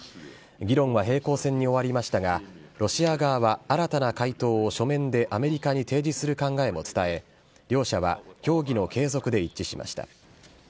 議論は平行線に終わりましたが、ロシア側は新たな回答を書面でアメリカに提示する考えも伝え、両者は協議の継続で一致しました。